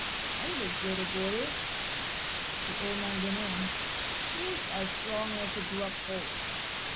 "And this little body," the old man went on, "is as strong as a grub hoe.